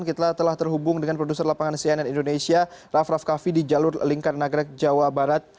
kita telah terhubung dengan produser lapangan cnn indonesia raff raff kaffi di jalur lingkar nagrek jawa barat